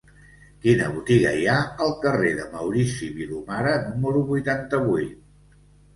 Quina botiga hi ha al carrer de Maurici Vilomara número vuitanta-vuit?